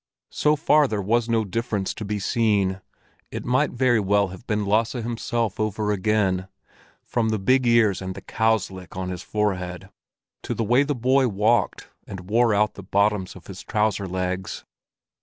So far there was no difference to be seen; it might very well have been Lasse himself over again, from the big ears and the "cow's lick" on the forehead, to the way the boy walked and wore out the bottoms of his trouser legs.